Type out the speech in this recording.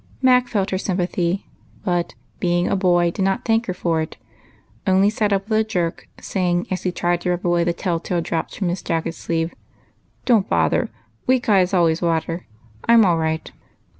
Mac felt her symj^athy, but, being a boy, did not thank her for it ; only sat up with a jerk, saying, as he tried to rub away the tell tale drops with the sleeve of his jacket : "Don't bother; weak eyes always water. I'm all right."